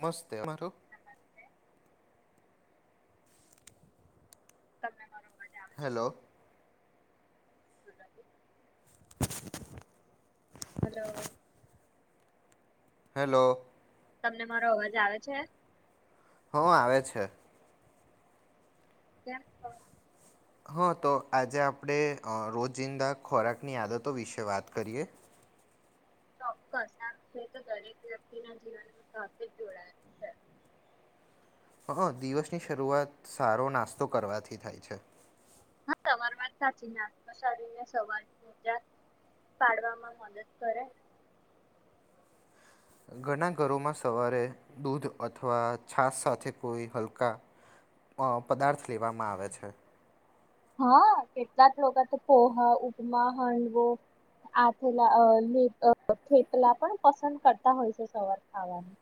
મસ્ત તમારોું નમસ્તે તમને મારો હેલો હલો [inaudible] હલો હેલો તમને મારો અવાજ આવે છે હ આવે છે કે છ હા તો આજે આપણે રોજિંદા ખોરાકની આદતો વિશે વાત કરીએ ચોક્કસ છે તો દરેક વ્યક્તિના જીવનમાં સાથે જ જોડાયેલ છે હ દિવસની શરૂઆત સારો નાસ્તો કરવાથી થાય છે હા સવાર વાત સાચી નાસ્તા શદીને સવાર મોજા પાડવામાં મદદ કરે ઘણા ઘરોમાં સવારે દૂધ અથવા છાસ સાથે કોઈ હલકા પદાર્થ લેવામાં આવે છે હા કેટલાક લોકો તો પોહા ઉપમા હાંડવો આથેલા થેપલા પણ પસંદ કરતા હોય છે સવાર ખાવાનું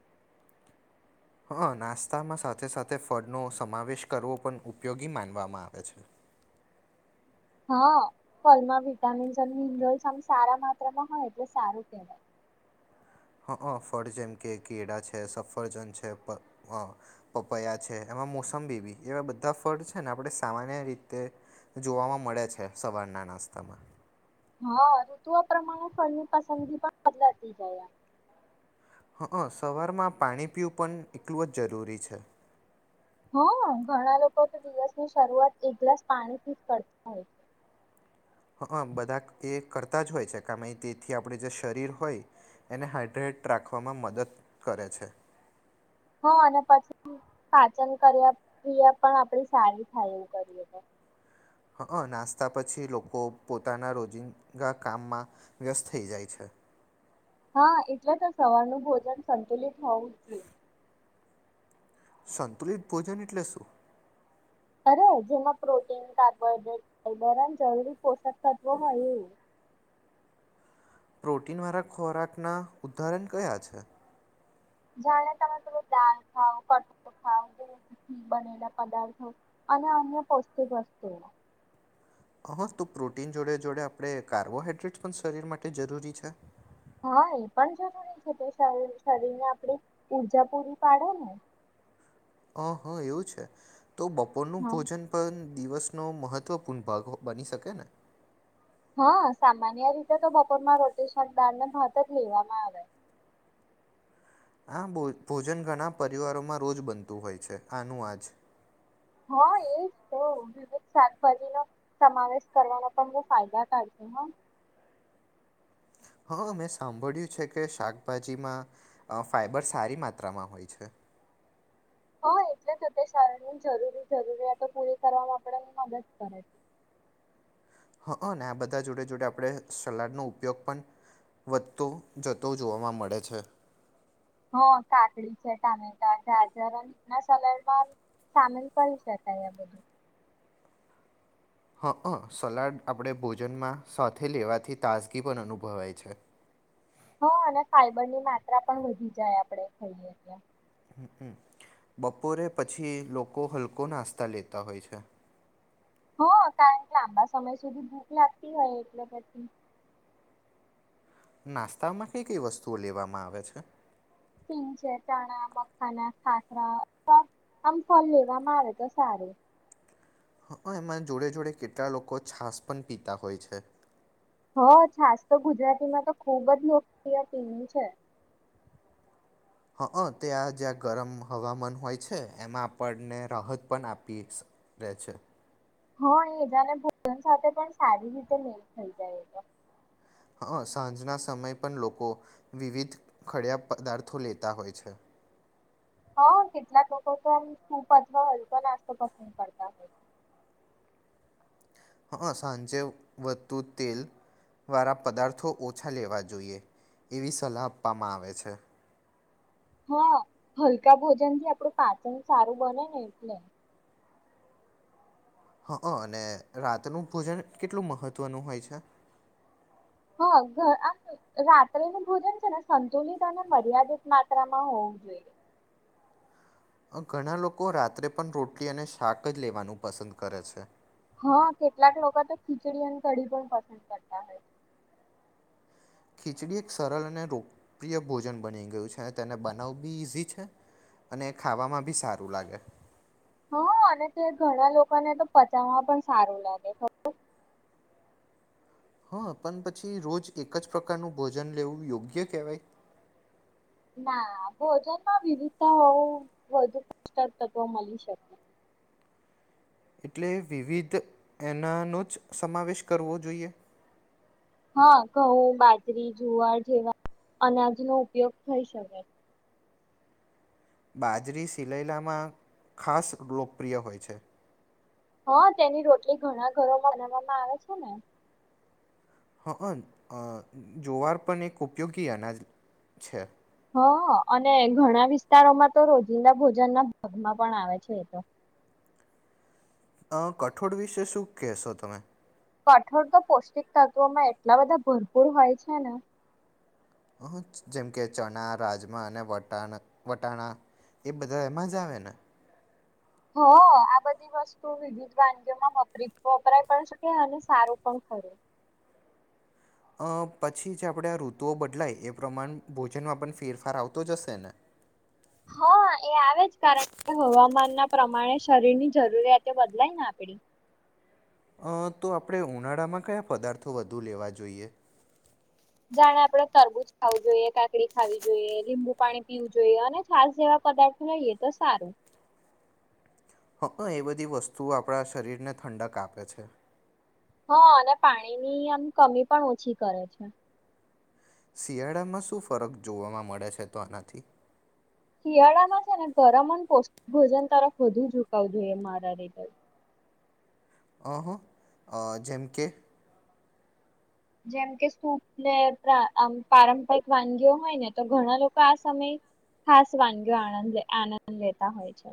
હા નાસ્તામાં સાથે સાથે ફળનોો સમાવેશ કરવો પણ ઉપયોગી માનવામાં આવે છે હા ફલમાં વિટામીન્સ અને મિનરલ્સ આ સારા માત્રામાં હોય એટલે સારું કહેવાય હ ફળ જેમ કે કેળા છે સફરજન છે પ પપયા છે એમાં મોસંબીબી એવા બધા ફળ છે ને આપણે સામાન્ય રીતે જોવામાં મળે છે સવારના નાસ્તામાં હા ઋતુઓ પ્રમાણે ફળની પસંદગી પણ બદલાતી જાય અ સવારમાં પાણી પીવું પણ એટલું જ જરૂરી છે હા ઘણા લોકો તો દિવસની શરૂઆત એક ગ્લાસ પાણીથી જ કરતા હોય છે હ બધા એ કરતા જ હોય છે કમે તેથી આપણે જે શરીર હોય એને હાાઈડ્રેટ રાખવામાં મદદ કરે છે હ અને પછી પાચન કર્યા કિયા પણ આપડી સારી થાય એવું કરીએ તો હ નાસ્તા પછી લોકો પોતાના રોજિંદા કામમાં વ્યસ્ત થઈ જાય છે હા એટલે તો સવારનું ભોજન સંતુલિત હોવું જ જોઈએ સંતુલિત ભોજન એટલે શું અરે જેમાં પ્રોટીન કાર્બોહાઈડ્રેટ ફાઈબર અને જરૂરી પોષક તત્વો હો એ પ્રોટીન વાળા ખોરાકના ઉદાહરણ કયા છે જાણે તમેું દળ ખાવ કઠોર ખાવ દૂધથી બનેલા પદાર્થો અને અન્ય પૌષ્ટિક વસ્તુઓ હા તો પ્રોટીન જોડે જોડે આપણે કાર્બોહાઈડ્રેટ પણ શરીર માટે જરૂરી છે હા એ પણ જરૂરી છે કે શરીર ને આપણે ઉર્જા પૂરી પાડે ને હ હા એવું છે તો બપોરનું હા ભોજન પણ દિવસનો મહત્ત્વપૂર્ણ ભાગ બની શકે ને હા સામાન્ય રીતે તો બપોરમાં રોટી શાકદળ ને ભાત જ લેવામાં આવે આો ભોજન ઘણા પરિવારોમાં રોજ બનતું હોય છે આનું આજ હા એજ તો વિવિધ શાકભાજીનોો સમાવેશ કરવાનો પણ બહ ફાયદા થાય છે હ હા મેં સાંભળ્યું છે કે શાકભાજીમાં ફાઈબર સારી માત્રામાં હોય છે હા એટલે જ અત શારની જરૂરી જરૂરિયાતો પૂરી કરવામાં આપ મદદ કરે છે હ હં ને આ બધા જોડે જોુડે આપણે સલાડનો ઉપયોગ પણ વધતો જતો જોવા મળે છે હ કાકડી છે ટામેટા ગાજર ના સલાડમાં સામેલ કરી શકાય આ બધું હા હ સલાડ આપણે ભોજનમાં સાથે લેવાથી તાજગી પણ અનુભવાય છે હા અને ફાઈબરની માત્રા પણ વધી જાય આપણેે ખઈએ ત હ બપોરે પછી લોકો હલકો નાસ્તા લેતા હોય છે હ કારણ કે લાંબા સમય સુધી ભૂખ લાગતી હોય એટલે પછી નાસ્તામાં કઈ કઈ વસ્તુઓ લેવામાં આવે છે સિન છે ચણા મખાના ખાતરા અથવા આમ ફલ લેવામાં આવે તો સારું હ એમાં જોડે જોડે કેટલા લોકો છાસ પણ પીતા હોય છે હ છાસ તો ગુજરાતીમાં તો ખુબ જ લોકપ્રિય ટનું છે હં ત્યાં જ્યાં ગરમ હવામાન હોય છે એમાં આપણને રાહત પણ આપી રહેે છે હા એ જા ને ભોજન સાથે પણ સારી રીતે મેલ થઈ જાય એ તો હ સાંજના સમયે પણ લોકો વિવિધ ખડયા પદાર્થો લેતા હોય છે હા કેટલાક લોકો તો આમ સૂપ અથવા હલકો નાસ્તો પસંદ કરતા હોય છે હા સાંજે વધતુ તેલ વાળા પદાર્થો ઓછા લેવા જોઈએ એવી સલાહ આપવામાં આવે છે હા હલકા ભોજન થી આપડું પાચન સારું બને ને એટલે હ અને રાતનું ભોજન કેટલું મહત્વનું હોય છે હા આમ રાત્રે ન ભોજન છે ને સંતુલિત અને મર્યાદિત માત્રામાં હોવું જોઈએ ઘણા લોકો રાત્રે પણ રોટલી અને શાક જ લેવાનું પસંદ કરે છે. હા. કેટલાક લોકો તો ખીચડી અને કઢી પણ પસંદ કરતા હોય છે. ખીચડી એક સરળ અને લોકપ્રિય ભોજન બની ગયું છે. અને તેને બનાવવું બી ઈઝી છે અને ખાવામાં બી સારું લાગે. હા અને તે ઘણા લોકોને તો પચાવવા પણ સારું લાગે ખબર. હા, પણ પછી રોજ એક જ પ્રકારનું ભોજન લેવું યોગ્ય કેહેવાય? ના ભોજનમાં વિવિધતા વધુ પોષકતત્વ મળી શકે. એટલે વિવિધ એનાનો જ સમાવેશ કરવો જોઈએ. હા. ઘઉં, બાજરી, જુવાર જેવા અનાજનો ઉપયોગ થઈ શકે. બાજરી સિલેૈલામાં ખાસ લોકપ્રિય હોય છે. હા. તેની રોટલી ઘણા ઘરોમાં બનાવવામાં આવે છે ને. હ હ, જોવાર પણ એક ઉપયોગી અનાજ છે. હ અને ઘણા વિસ્તારોમાં તો રોજિંદા ભોજન ના ભાગમાં પણ આવે છે એ તો અ કઠોળ વિશે શું કહેશો તમે? કઠોળ તો પૌષ્ટિક તત્વમાં એટલા બધા ભરપૂર હોય છે ને. હ જેમ કે ચણા, રાજમા અને વટાણ વટાણા એ બધા એમાં જ આવે ને? હ આ બધી વસ્તુ વિવિધ વાનગીઓમાં વપરી વપરાય પણ શકે અને સારું પણ ખરે. પછી જે આપણે આ ઋતુઓ બદલાય એ પ્રમાણ ભોજનમાં પણ ફેરફાર આવતો જશે ને. હા એ આવે જ કારણ કે હવામાનના પ્રમાણે શરીરની જરૂરિયાતો બદલાયને આપડી. અ, તો આપણે ઉનાળામાં કયા પદાર્થો વધુ લેવા જોઈએ? જાણે આપણેે તરબૂજ ખાવું જોઈએ, કાકડી ખાવી જોઈએ, લીંબુ પાણી પીવું જોઈએ, અને છાસ જેવા પદાર્થો લઈએ તો સારું. હ એ બધી વસ્તુઓ આપણા શરીરને ઠંડક આપે છે. હા અને પાણીની આમ કમી પણ ઓછી કરે છે. શિયાળામાં શું ફરક જોવામાં મળે છે તો આનાથી? શિયાળામાં છે ને ગરમ અને પૌષ્ટિક ભોજન તરફ વધુ ઝુકાવ જોઈ મારા રીતે. હ હ જેમ કે જેમ કે સુપ ને પારંપરિક વાનગીઓ હોય ને તો ઘણા લોકો આ સમયે ખાસ વાનગીઓ આનંદ આનંદ લેતા હોય છે.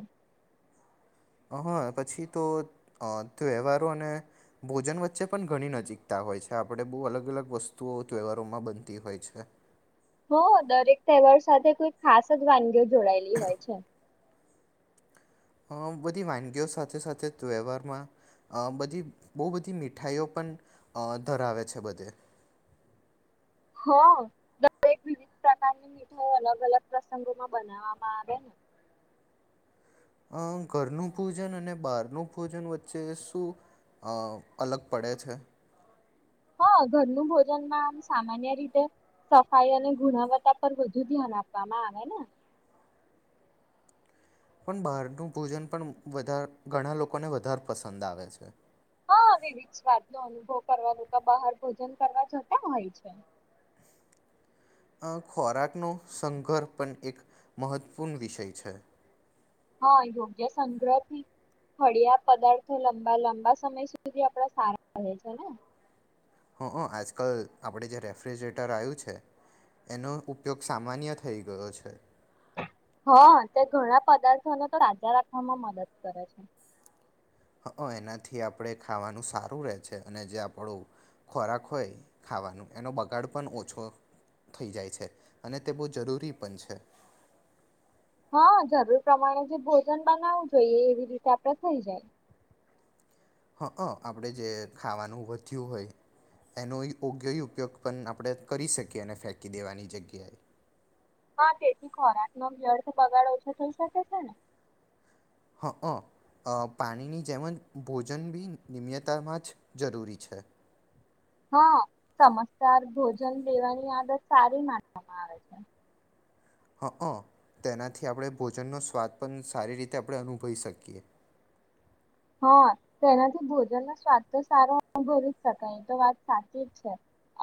હા, પછી તો તહેવારો અને ભોજન વચ્ચે પણ ઘણી નજીકતા હોય છે. આપણે બહુ અલગ અલગ વસ્તુઓ તહેવારોમાં બનતી હોય છે. હ દરેક તહેવાર સાથે કોઈ ખાસ જ વાનગીઓ જોડાયેલી હોય છે. બધી વાનગીઓ સાથે સાથે તહેવહારમાં બધી બહુ બધી મીઠાઈઓ પણ ધરાવે છે બધે. હ દરેક વિવિધ પ્રકારની મીઠાઈ અલગ અલગ પ્રસંગોમાં બનાવવામાં આવે ને. અ ઘરનું ભોજન અને બહારનું ભોજન વચ્ચે શું અ અલગ પડે છે? હા. ઘરનું ભોજન માં આમ સામાન્ય રીતે સફાઈ અને ગુણવત્તા પર વધુ ધ્યાન આપવામાં આવે ને. પણ બહારનું ભોજન પણ વધારે ઘણા લોકોને વધારે પસંદ આવે છે. વિવિધ સ્વાદ નો અનુભવ કરવા બહાર ભોજન કરવા જતા હોય છે. આ ખોરાકનો સઘર્હ પણ એક મહત્વપૂર્ણ વિષય છે. હા. યોગ્ય સંગ્રહ થી હળિયા પદાર્થો લંબા લંબા સમય સુધી આપડા સારા રહેે છે ને. હં હ આજકાલ આપણે જે રેફ્રિજરેટર આવ્યું છે, એનો ઉપયોગ સામાન્ય થઈ ગયો છે. હા. તે ઘણા પદાર્થોને તો તાજા રાખવામાં મદદ કરે છે. હ એનાથી આપણે ખાવાનું સારું રહે છે અને જે આપણો ખોરાક હોય ખાવાનું એનો બગાડ પણ ઓછો થઈ જાય છે, અને તે બહુ જરૂરી પણ છે. હા. જરૂર પ્રમાણે જે ભોજન બનાવવું જોઈએ એવી રીતે આપડે થઇ જાય. હં અ આપણે જે ખાવાનું વધ્યું હોય એનો યોગ્ય ઉપયોગ પણ આપણે કરી શકીએ અને ફેંકી દેવાની જગ્યાએ. હા. તેથી ખોરાક નો વ્યર્થ બગાડ ઓછો થઈ શકે છે ને. હં પાણીની જેમ જ ભોજન બી નિમયતામાં જ જરૂરી છે હા. સમજદાર ભોજન લેવાની આદત સારી માનવામાં આવે છે. હ. તેનાથી આપણે ભોજનનો સ્વાદ પણ સારી રીતે આપણે અનુભવી શકીએ. હા, તેનાથી ભોજનનો સ્વાદ તો સારો અ ભરી જ શકાય એ તો વાત સાચી જ છે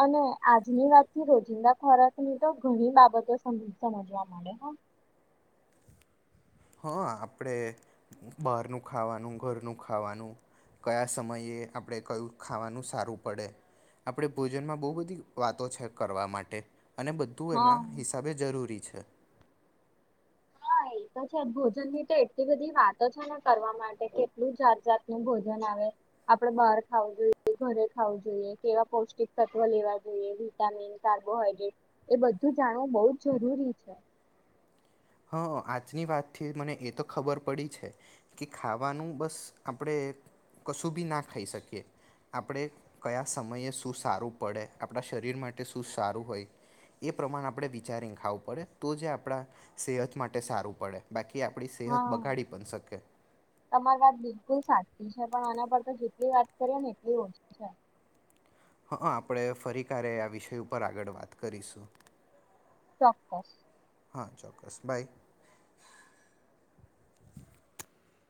અને આજની વાત થી રોજિંદા ખોરાકની તો ઘણી બાબતો સમજવા મળે. હા. આપણે બહારનું ખાવાનું, ઘરનું ખાવાનું, કયા સમયે આપણે કયું ખાવાનું સારું પડે, આપણે ભોજનમાં બહુ બધી વાતો છે કરવા માટે. અને બધું એના હા હિસાબે જરૂરી છે. અ હા તો છે ભોજન ની તો એટલી બધી વાતો છે ને કરવા માટે કેટલું જાત જાતનું ભોજન આવે આપડે બહાર ખાવું જોઈએ ઘરે ખાવું જોઈએ કેવા પૌષ્ટિક તત્વ લેવા જોઈએ વિટામિન કાર્બોહાઈડ્રેટ એ બધું જાણવું બહ જ જરૂરી છે આજની વાતથી મને એ તો ખબર પડી છે કે ખાવાનું બસ આપણે કશું બી ના ખાઈ શકીએ આપણે કયા સમયે શું સારું પડે આપણા શરીર માટે શું સારું હોય એ પ્રમાણે આપણે વિચારીને ખાવું પડે તો જે આપણા સેહત માટે સારું પડે બાકી આપણી સેહત હા બગાડી પણ શકે તમારી વાત બિલકુલ સાચ પણ આના પર તો જેટલી વાત કરીએ ને એટલી ઓછી છે હા આપણે ફરી ક્યારે આ વિષય ઉપર આગળ વાત કરીશું ઓ હા ચોક્કસ બાય